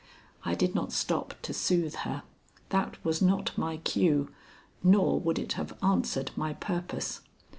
I did not stop to soothe her. That was not my cue, nor would it have answered my purpose.